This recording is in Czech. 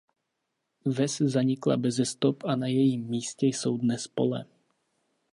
Ves zanikla beze stop a na jejím místě jsou dnes pole.